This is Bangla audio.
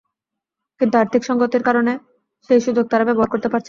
কিন্তু আর্থিক সংগতির কারণে সেই সুযোগ তাঁরা ব্যবহার করতে পারছেন না।